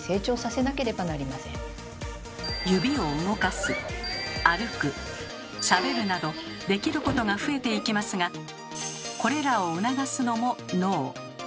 さらに赤ちゃんはなどできることが増えていきますがこれらを促すのも脳。